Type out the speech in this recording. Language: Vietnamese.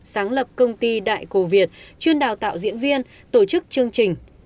sáng lập công ty đại cổ việt chuyên đào tạo diễn viên tổ chức chương trình